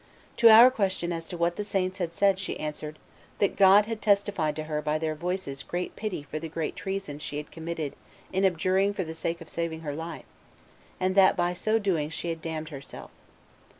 To our question as to what the saints had said she answered, that God had testified to her by their voices great pity for the great treason she had committed in abjuring for the sake of saving her life, and that by so doing she had damned herself.